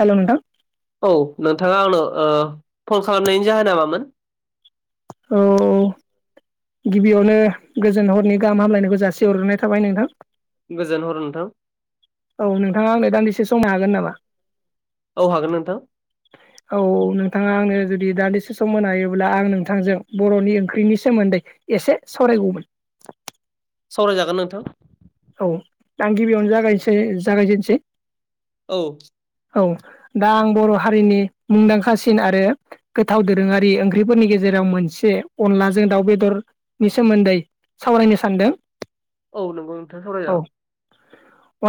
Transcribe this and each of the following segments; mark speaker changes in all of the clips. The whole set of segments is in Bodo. Speaker 1: हेलौ नोंथां
Speaker 2: औ नोंथांङा आंनो फान खालामनायनि जाहोन नामामोन
Speaker 1: औ गिबियावनो गोजोन हरनि गाहाम हामलायनायखौ जासे हर्रोनाय थाबाय नोंथां
Speaker 2: गोजोनहर नोंथां
Speaker 1: औ नोंथांङा आंलै दान्दिसे संनो हागोन नामा
Speaker 2: औ हागोन नोंथां
Speaker 1: नोंथांङा आंनो जुदि दान्दिसे सम मोन हायोब्ला आं नोंथांजों बर'नि ओंख्रिनि सोमोन्दै एसे सराय [unintelligible] [unintelligible]
Speaker 2: सावरायजागोन नोंथां
Speaker 1: औ आं गिबियावनो जागायसै जागायजेनसै
Speaker 2: औ
Speaker 1: औ दा आं बर' हारिनि मुंदांखासिन आरो गोथाव दोरोंङारि ओंख्रिफोरनि गेजेरजों मोनसे अनलाजों दाउ बेदरनि सोमोन्दै सावरायनो सानदों।
Speaker 2: औ नोंगौ नोंथांङै
Speaker 1: औ
Speaker 2: सावरायजागौ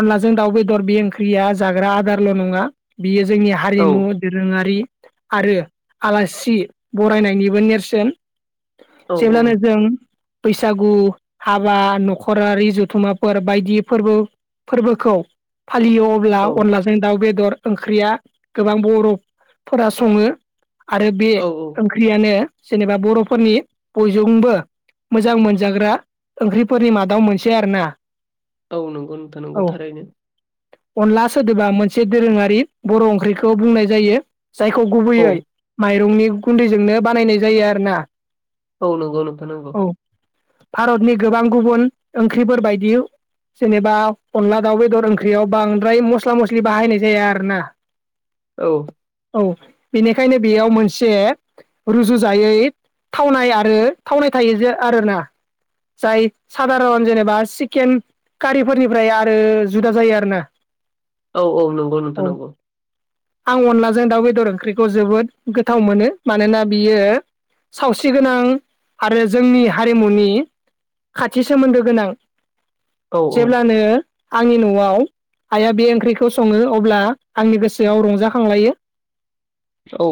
Speaker 1: अनलाजों दाउ बेदर बे ओंख्रिया जाग्रा आदारल' नंङा बेयो जोंनि
Speaker 2: औ
Speaker 1: हारिमु दोरोंङारि आरो आलासि बरायनायनिबो नेरसोन
Speaker 2: औ औ
Speaker 1: जेब्लानो जों बैसागु हाबा न'खरारि जुथा दथुमाफोर बायदि फोरबो फोरबोखौ फालियो अब्ला
Speaker 2: औ
Speaker 1: अनलाजों दाउ बेदर ओंख्रिया गोबां बर'फोरा संङो आरो बे
Speaker 2: औ
Speaker 1: ओंख्रियानो जेनेबा बरफोरनि बयजोंबो मोजां मोनजाग्रा ओंख्रिफोरनि मादाव मोनसे आरोना
Speaker 2: औ नंगौ नोंथां
Speaker 1: औ
Speaker 2: नंगौ थारैनो
Speaker 1: अनला सोदोबा मोनसे दोरोङारि बर ओंख्रिखौ बुंनाय जायो जायखौ
Speaker 2: औ
Speaker 1: गुबैयै माइरंनि गुन्दैजोंनो बानायनाय जायो आरोना
Speaker 2: औ नंगौ नोंथां नंगौ
Speaker 1: औ भारतनि गोबां गुबुन ओंख्रिफोरबायायदि जेनेबा अनदला दाउ बेदर ओंख्रियाव बांद्राय मस्ला मस्लि बाहायनाय जाया आरो ना
Speaker 2: औ
Speaker 1: औ बेनिखायनो बेयाव मोनसे रुजुजायै थावनाय आरो थावनाय थायो जे आरोना जाय सादारन जेनेबा चकेन कारिफोरनिफ्राय आरो जुदा जायो आरोना
Speaker 2: औ औ नंगौ
Speaker 1: औ
Speaker 2: नोंथां नंगौ
Speaker 1: आं अनलाजों दाउ बेदर ओंख्रिखौ जोबोद गोथाव मोनो मानोना बियो सावस्रि गोनां आरो जोंनि हारिमुनि खाथि सोमोन्दो गोनां
Speaker 2: औ
Speaker 1: जेब्लानो आंनि न'आव आइया बे ओंख्रिखौ सङो अब्ला आंनि गोसोआव रंजाखांलायो
Speaker 2: औ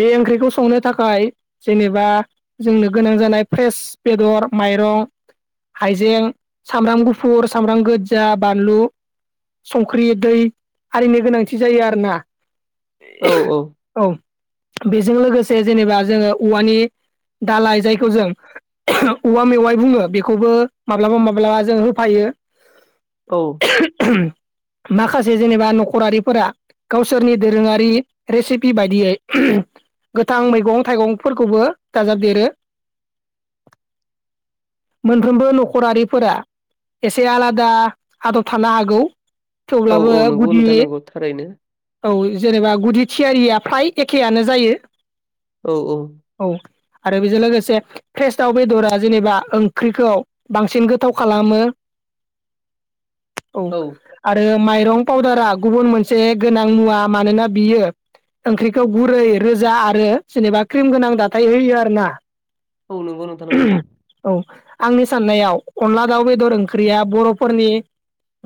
Speaker 1: बे ओंख्रिखौ संनो थाखाय जेनेबा जोंनो गोनां जानाय फ्रेस बेदर माइरं हाइजें सामब्राम गुफुर सामब्राम गोजा बानलु संख्रि दै आरिनो गोनांथि जायो आरोना
Speaker 2: औ औ
Speaker 1: बेजों लोगोसे जेनेबा जोङो औवानि दालाय जाय खौ जों औवा मेवाइ बुङो बेखौबो माब्लाबा माब्लाबा जों होफायो
Speaker 2: औ
Speaker 1: माखासे जेनेबा नखरारिफोरा गावसोरनि दोरोङारि रेसिपि बायदियै गोथां मैगं थाइगंफोरखौबो दाजाबदेरो मोनफ्रोमबो नखरारिफोरा एसे आलादा आदब थानो हागौ
Speaker 2: औ
Speaker 1: थेवब्लाबो
Speaker 2: औ नंगौ
Speaker 1: गुदि
Speaker 2: नोंथां नंगौ थारैनो
Speaker 1: औ जेनेबा गुदि थियारिया फाय एखेआानो जायो
Speaker 2: औ औ
Speaker 1: आरो बेजों लोगोसे फ्रेस दाव बेदरा जेनेबा ओंख्रिखौ बांसिन गोथाव खालामो औ आरो माइरं पावउदारा गुबुन मोनसे गोनां मुवा मानोना बियो ओंख्रिखौ गुरै रोजा आरो जेनेबा क्रिम गोनां दाथाय होयो आरो ना
Speaker 2: औ नंगौ नोंथां नंगौ
Speaker 1: औ आंनि साननायाव अनला दाउ बेदर ओंख्रिया बरफोरनि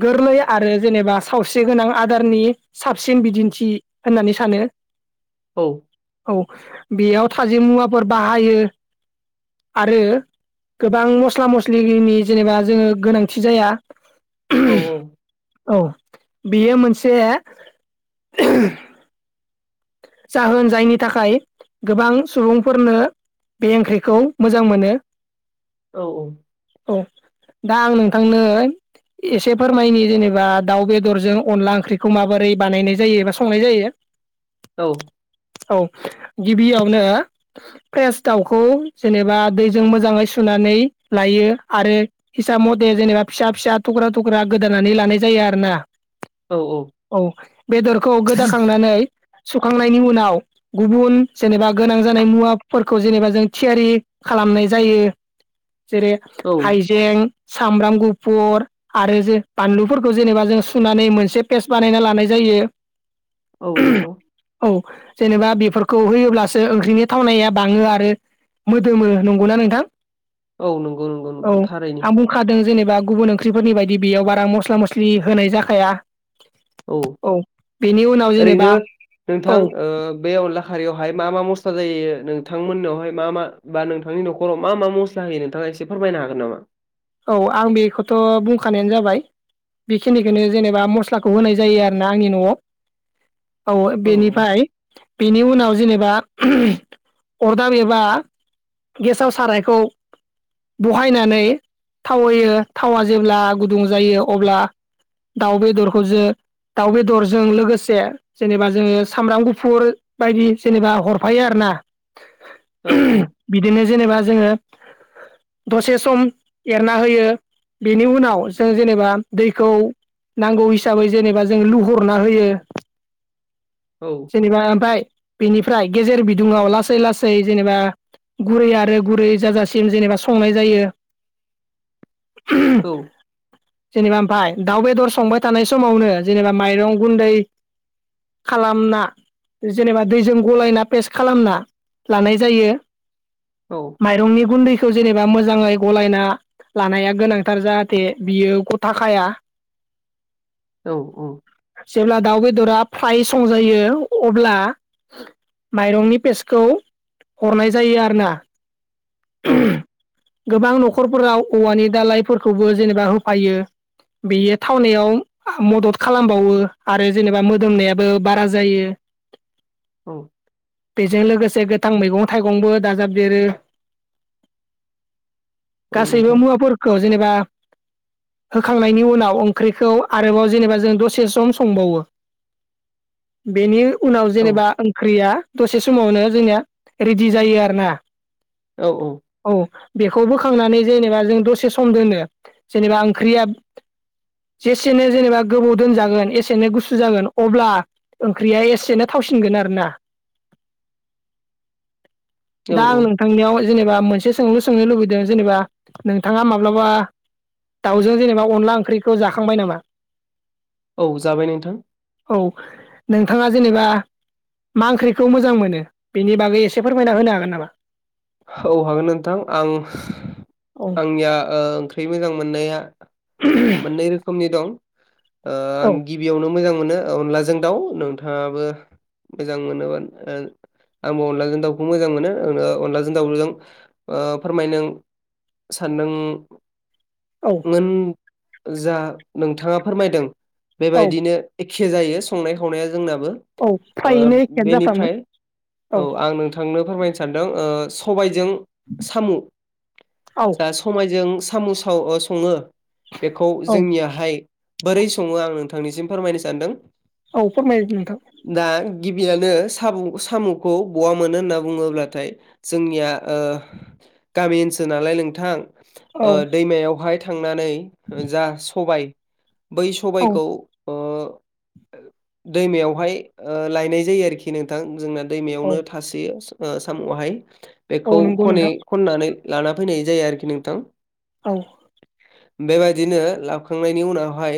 Speaker 1: गोरलै आरो जेनेबा सावस्रि गोनां आदारनि साबसिन बिदिन्थि होननानै सानो [inaudible]
Speaker 2: औ
Speaker 1: औ बेयाव थाजिम मुवाफोर बाहायो आरो गोबां मस्ला मस्लिनि जेनेबा जोङो गोनांथि जाया
Speaker 2: औ औ
Speaker 1: औ बेयो मोनसे जाहोन जायनि थाखाय गोबां सुबुंफोरनो बे ओंख्रिखौ मोजां मोनो
Speaker 2: औ औ
Speaker 1: औ दा आं नोंथांनो एसे फोरमायनि जेनेबा दाउ बेदरजों अनला ओंख्रिखौ माबोरै बानायनाय जायो एबा संनाय जायो
Speaker 2: औ
Speaker 1: औ गिबियावनो फ्रेस दाउखौ जेनेबा दैजों मोजाङै सुनाय लायो आरो हिसाब मथे जेनेबा फिसा फिसा थख्रा थख्रा गोदानानै लानाय जायो आरोना औ बेदरखौ गोदाखांनानै सुखांनायनि उनाव गुबुन जेनेबा गोनां जानाय मुवाफोरखौ जेनेबा जों थियारि खालामनाय जायो जेरै हाइजें सामब्राम गुफुर आरो जे बानलुफोरखौ जेनेबा जों सुनानै मोनसे पेस्ट बानायना लानाय जायो
Speaker 2: औ नंगौ
Speaker 1: औ जेनेबा बेफोरखौ होयोब्लासो ओंख्रिनि थावनाया बाङो आरो मोदोमो नंगौना नोंथां
Speaker 2: औ नंगौ नंगौ
Speaker 1: औ
Speaker 2: नोंथां थारैनो
Speaker 1: आं बुंखादों जेनेबा बा गुबुन ओंख्रिफोरनि बायदि बेयाव बारा मस्ला मस्लि होनाय जाखाया औ बेनि उनाव
Speaker 2: ओरैनो
Speaker 1: जेनेबा
Speaker 2: नोंथां
Speaker 1: औ
Speaker 2: बे अनला खारियावहाय मा-मा मस स्ला जायो नोंथांमोननावहाय मा-मा बा नोंथांनि नखराव मा-मा मस्ला होयो नोंथाङा एसे फोरमायनो हागोन नामा
Speaker 1: औ आं बेखौथ' बुंखानायानो जाबाय बेखिनिखौनो जेनेबा मस्लाखौ होनाय जायो आरोना आंनि न'आव औ बेनिफ्राय बेनि उनाव जेनेबा अरदाब एबा गेसाव सारायखौ बहायनानै थाव होयो थावा जेब्ला गुदुं जायो अब्ला दाउ बेदरखौ जो दाउ बेदरजों लोगोसे जेनेबा जोङो सामब्राम गुफुर बायदि जेनेबा हरफायो आरो ना
Speaker 2: औ
Speaker 1: बिदिनो जेनेबा जोङो दसे सम एरना होयो बेनि उनाव जों जेनेबा दैखौ नांगौ हिसाबै जेनेबा जों लुहरना होयो
Speaker 2: औ
Speaker 1: जेनेबा ओमफ्राय बेनिफ्राय गेजेर बिदुङाव लासै लासै जेनेबा गुरै आरो गुरै जाजासिम जेनेबा संनाय जायो
Speaker 2: औ
Speaker 1: जेनेबा ओमफाय दाउ बेदर संबाय थानाय समावनो जेनेबा माइरं गुन्दै खालामना जेनेबा दैजों गलायना पेस्ट खालामना लानाय जायो माइरंनि गुन्दैखौ जेनेबा मोजाङै गलायना लानाया गोनांथार जाहाथे बियो गथा खाया
Speaker 2: औ
Speaker 1: जेबला दाउ बेदरा फ्राय सं जायो अब्ला माइरंनि पेस्टखौ हरनाय जायो आरोना
Speaker 2: औ
Speaker 1: गोबां न'खरफोराव औवानि दालायफोरखौबो जेनेबा होफायो बेयो थावनायाव मदद खालामबावो आरो जेनेबा मोदोमनायाबो बारा जायो [inaudible]
Speaker 2: औ
Speaker 1: बेजों लोगोसे गोथां मैगं थाइगंबो दाजाबदेरो
Speaker 2: औ
Speaker 1: गासैबो
Speaker 2: नोंथां
Speaker 1: मुवाफोरखौ जेनेबा होखांनायनि उनाव ओंख्रिखौ आरोबाव जेनेबा जों दसे सम संबावो बेनि उनाव
Speaker 2: औ
Speaker 1: जेनेबा ओंख्रिया दसे समावनो जोंनिया रेडि जायो आरोना औ बेखौबो खांनानै जेनेबा जों दसे सम दोनो जेनेबा ओंख्रिया जेसेनो जेनेबा गोबाव दोनजागोन एसेनो गुसु जागोन अब्ला ओंख्रिया एसेनो थावसिनगोन आरो ना दा आं नोंथांनियाव जेनेबा मोनसे सोंलु सोंनो लुबैदों दो जेनेबा नोंथाङा माब्लाबा दाउजों जेनेबा अनला ओंख्रिखौ जाखांबाय नामा
Speaker 2: औ औ जाबाय नोंथां
Speaker 1: औ नोंथाङा जेनेबा मा ओंख्रिखौ मोजां मोनो बेनि बागै एसे फोरमायना होनो हागोन नामा?
Speaker 2: औ हागोन नोंथां आं
Speaker 1: औ
Speaker 2: आंनिया ओ ओंख्रि मोजां मोननाया मोननै रोखोमनि दं ओ आं
Speaker 1: औ
Speaker 2: गिबियावनो मोजां मोनो अनलाजों दाउ नोंथाङाबो मोजां मोनोबा आंबो अनलाजों दाउखौ मोजां मोनो अनलाजों जों दावजों ओ फोरमायनो सान्दों
Speaker 1: औ
Speaker 2: मोन जा नोंथाङा फोरमायदों
Speaker 1: औ
Speaker 2: बेबायदिनो ए खे जायो संनाय खावनाया जोंनाबो
Speaker 1: औ
Speaker 2: ओ
Speaker 1: थारैनो एखेयानो जाफ्रामो
Speaker 2: बेनिफ्राय औ आं नोंथांनो फोरमायनो सानदों ओ सबाइजों
Speaker 1: औ
Speaker 2: सामु सामु साव ओ सङो बेखौ
Speaker 1: औ
Speaker 2: जोंनियाहाय सा बोरै सङो आं नोंथांनिसिम फोरमायनो सानदों
Speaker 1: औ फोरमाय नोंथां
Speaker 2: दा गिबियानो सामुं साम'खौ बहा मोनो होनना बुङोब्लाथाय जोंनिया ओ गामि ओनसोल नालाय नोंथां
Speaker 1: औ
Speaker 2: दैमायावहाय थांनानै जा सबाय बै
Speaker 1: औ
Speaker 2: सबायखौ ओ दैमायावहाय ओ लायनाय जायो आरोखि नोंथां जोंना
Speaker 1: औ
Speaker 2: दैमायावनो थासोयो साम'आहाय
Speaker 1: औ
Speaker 2: बेखौ
Speaker 1: नंगौ
Speaker 2: खनै
Speaker 1: नोंथां
Speaker 2: खननानै लाना फैनाय जाया आरोखि नोंथां
Speaker 1: औ
Speaker 2: बेबायदिनो लाबोखांनायनि उनावहाय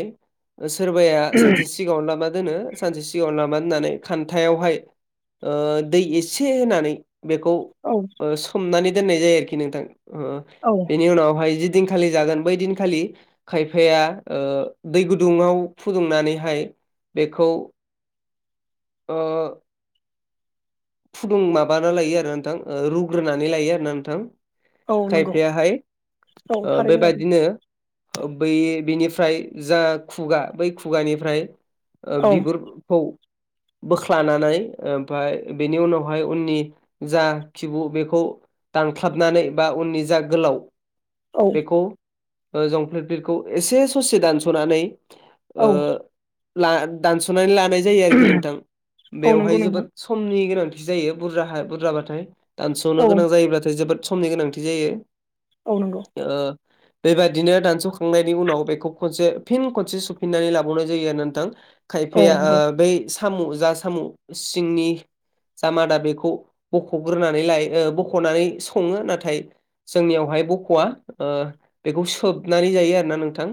Speaker 2: सोरबाया सानसे सिगाङाव लामा दोनो सानसे सिगाङाव लामा होननानै खान्थायावहाय ओ दै एसे होनानै बेखौ
Speaker 1: औ
Speaker 2: ओ सोमनानै दोननाय जायो आरोखि नोंथां
Speaker 1: औ
Speaker 2: बेनि उनावहाय दिनखालि जागोन बै दिनखालि खायफाया ओ दै गुदुङाव फुदुंनानैहाय बेखौ फुदुं माबाना लायो आरो नोंथां रुग्रोनानै लायो आरोना नोंथां
Speaker 1: औ नंगौ
Speaker 2: खायफायाहाय
Speaker 1: औ
Speaker 2: ओ
Speaker 1: थारैनो
Speaker 2: बेबायदिनो बै बिनिफ्राय जा खुगा बै खुगानिफ्राय ओ
Speaker 1: औ
Speaker 2: बिगुरखौ बोख्लानानै ओमफाय बेनि उनावहाय उननि जा खिबु बेखौ दानख्लाबनानै बा उननि जा गोलाव
Speaker 1: औ
Speaker 2: बेखौ ओ जंफ्लिफ्लिरखौ एसे ससे दानस'नानै
Speaker 1: औ
Speaker 2: ओ ला दानस'नानै लानाय जायो आरोखि नोंथां
Speaker 1: औ
Speaker 2: बेवहाय
Speaker 1: नंगौ नंगौ
Speaker 2: जोबोद नि गोनांथि जायो बुरजा बुरजाबाथाय दानस'नो
Speaker 1: औ
Speaker 2: गोनां जायोब्लाथाय जोबोद समनि गोनांथि जायो
Speaker 1: औ नंगौ
Speaker 2: बेबायदिनो दानस'खांनायनि उनाव बेखौ खनसे फिन खनसे सुफिननानै लाबावनाय जायो आरो नोंथां
Speaker 1: औ
Speaker 2: खायफाया ओ
Speaker 1: नंगौ
Speaker 2: बै साम' जा साम' सिंनि
Speaker 1: [inaudible]
Speaker 2: जामादा बेखौ बख'ग्रोनानै लायो बख'नानै सङो नाथाय जोंनियावहाय ख'वा बेखौ सोबनानै जायो आरोना नोंथां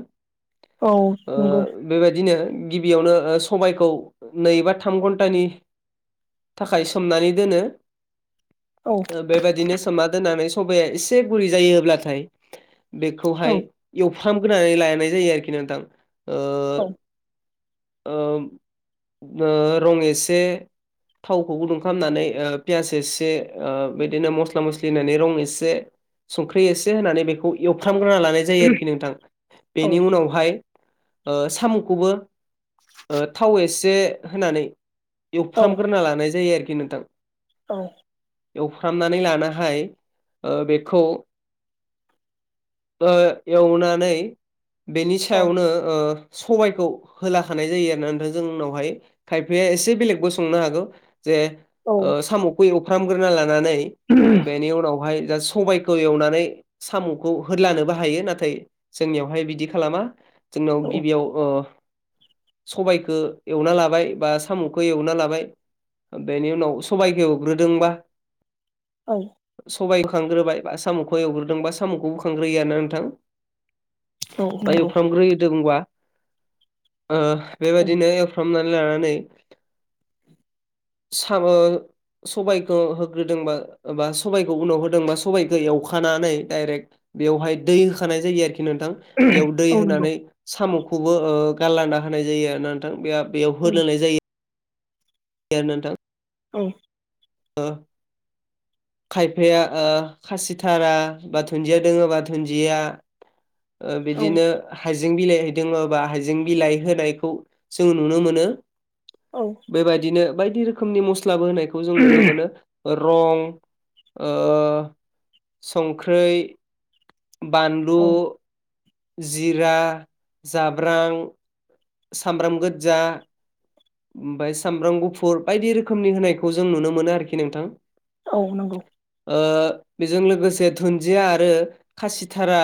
Speaker 1: औ
Speaker 2: ओ
Speaker 1: नंगौ
Speaker 2: बेबायदिनो गिबियावनो ओ सबायखौ नै बा थाम घन्टानि थाखाय सोमनानै दोनो
Speaker 1: औ
Speaker 2: बेबायदिनो सोमना दोननानै सबाया इसे गुरै जायोब्लाथाय
Speaker 1: औ
Speaker 2: बेखौहाय एव फ्रामगोरनानै लानाय जायो आरोखि नोंथां ओ ओ ओ रं एसे थावखौ गुदुं खालामनानै पियास एसे बिदिनो मस्ला मस्लि होननानै रं एसे संख्रि एसे होनानै बेखौ एवफ्रामग्रोना लानाय जायो आरोखि नोंथां
Speaker 1: औ
Speaker 2: बेनि उनावहाय साम'खौबो थाव एसे होनानै फ्राम ग्रोना लानाय जायो आरोखि नोंथां।
Speaker 1: औ
Speaker 2: एवफ्रामनानै लानहाय ओ बेखौ एवनानै बेनि सायावनो ओ सबायखौ होलाखानाय जायो आरोना नोथां जों उनावहाय खायफाया एसे बेलेगबो संनो हागौ जे
Speaker 1: औ
Speaker 2: साम'खौ एवफ्रामग्रोना लानानै बेनि उनावहाय जा सबागखौ एवनानै साम'खौ होदलानोबो हायो नाथाय जोंनियावहाय बिदि खालामा जोंनाव गिबियाव सबायाइखौ एवना लाबाय बा साम'खौ एवना लाबाय बेनि उनाव सबबायखौ एवग्रोदोंबा
Speaker 1: औ
Speaker 2: सबाय खांग्रोबाय बा साम'खौ एवग्रोदोंबा साम'खौबो खांग्रोयोयानोा नोंथां।
Speaker 1: औ
Speaker 2: बाय
Speaker 1: नंगौ
Speaker 2: एवफ्रामग्रोदोंबा ओ
Speaker 1: औ
Speaker 2: बेबायदिनो एवफ्रामनानै लानानै
Speaker 1: [inaudible]
Speaker 2: साबो सबाइखौ होग्रोदोंबा बा सबाइखौ उनाव होदोंबा सबाइखौ एवखानानै डाइरेक्ट बेवहाय दै होखानाय जायो आरोखि नोंथां
Speaker 1: औ
Speaker 2: बेयाव दै
Speaker 1: नंगौ
Speaker 2: होनानै साम'खौबो गारलाना होनाय जायो आरोना नोंथां बेयाव
Speaker 1: औ
Speaker 2: होलोनाय जायो। गार नोंथां
Speaker 1: औ
Speaker 2: हो खायफाया ओ खासिथारा बा दुन्दिया दोङोबा बा दुन्दिया
Speaker 1: [inaudible]
Speaker 2: ओ
Speaker 1: औ
Speaker 2: बिदिनो हाय जें बिलाइ दोङोबा हाइजें बिलाइ होनायखौ जों नुनो मोनो।
Speaker 1: औ
Speaker 2: बेबायदिनो बायदि रोखोमनि मस्लाबो होनायखौ जों नुनो मोनो। रं ओ संख्रै बानलु
Speaker 1: औ
Speaker 2: जिरा जाब्रां सामब्राम गोजा ओमफ्राय सामब्राम गुफुर बायदि रोखोमनि होनायखौ जों नुनो मोनो आरोखि नोंथां।
Speaker 1: औ नंगौ
Speaker 2: ओ बेजों लोगोसे दुन्दिया आरो खासिथारा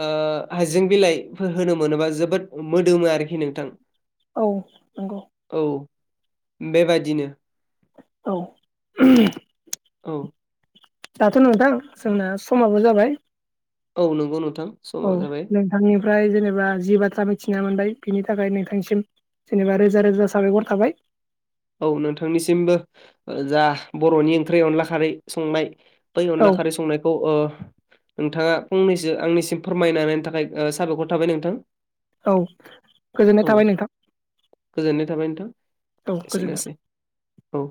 Speaker 2: ओ हायजें बिलाइफोर होनो मोनोबा जोबोद मोदोमो आरोखि नोंथां।
Speaker 1: औ नंगौ
Speaker 2: बेबायदिनो
Speaker 1: औ
Speaker 2: औ
Speaker 1: दाथ' नोंथां जोंना समाबो जाबाय
Speaker 2: औ नंगौ नंगौ
Speaker 1: औ नोंथांनिफ्राय जेनेबा जि बाथ्रा मिथिना मोनबाय बिनि थाखाय नोंथांसिम जेनेबा रोजा रोजा साबायखर थाबाय।
Speaker 2: औ नोंथांनिसिमबो जा बर'नि ओंख्रि अनला खारै संनाय बै
Speaker 1: औ
Speaker 2: अनला खारै संनायखौ ओ नोंथाङा फंनैसो आंनिसिम फोरमाय नायनि थाखाय साबायखर थाबाय नोंथां।
Speaker 1: औ गोजोननाय
Speaker 2: औ
Speaker 1: थाबाय नोंथां।
Speaker 2: गोजोननाय थाबाय नोंथां
Speaker 1: औ गोजोन्थों
Speaker 2: एसेनोसै औ